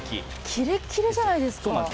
キレッキレじゃないですか。